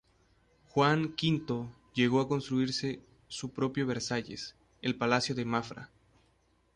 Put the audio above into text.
Juan V llegó a construirse su propio Versalles, el Palacio de Mafra.